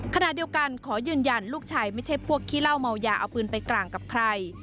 ขณะเดียวกันขอยืนยันลูกชายไม่ใช่พวกขี้เหล้าเมายาเอาปืนไปกลางกับใคร